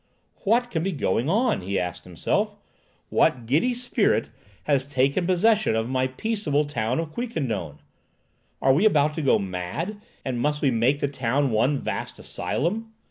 "What can be going on?" he asked himself. "What giddy spirit has taken possession of my peaceable town of Quiquendone? Are we about to go mad, and must we make the town one vast asylum?